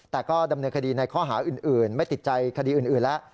แต่ก็ดำเนินคดีในข้อหาอื่นไม่ติดใจคดีอื่นแล้ว